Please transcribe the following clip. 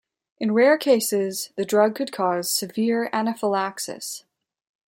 In rare cases, the drug could cause severe anaphylaxis.